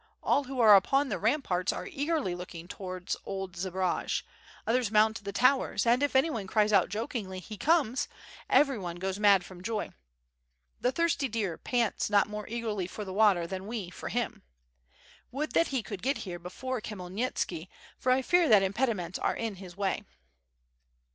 All who are upon the ramparts are eagerly looking towards old Zbaraj; others mount the towers, and if anyone cries out jokingly *He comes' everyone goes mad from joy. The thirsty deer pants not more eagerly for the water than w^e for him. Would that he could get here before Khmyel nitski for I fear that impediments are in his way."